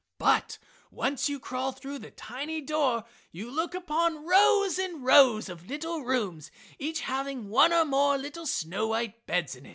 But when once you crawl through the tiny door, you look upon rows and rows of little rooms, each having one or more little snow white beds in it.